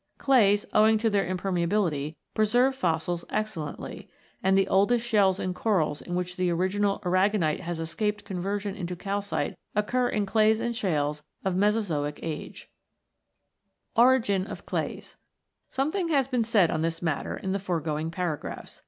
Clays, owing to their impermeability, preserve fossils excellently, and the oldest shells and corals in which the original aragonite has escaped conversion into calcite occur in clays and shales of Mesozoic age (see p. 22). ORIGIN OF CLAYS Something has been said on this matter in the foregoing paragraphs.